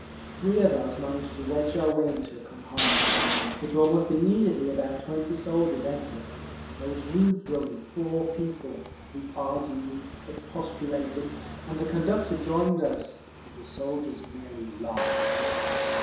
Three of us managed to wedge our way into a compartment, but almost immediately about twenty soldiers entered…. There was room for only four people; we argued, expostulated, and the conductor joined us—but the soldiers merely laughed.